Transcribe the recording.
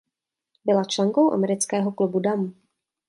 Byla členkou Amerického klubu dam.